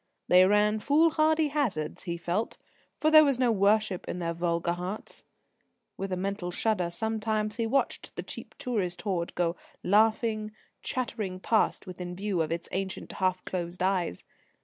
They ran fool hardy hazards, he felt; for there was no worship in their vulgar hearts. With a mental shudder, sometimes he watched the cheap tourist horde go laughing, chattering past within view of its ancient, half closed eyes.